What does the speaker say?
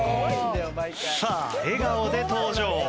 さあ笑顔で登場。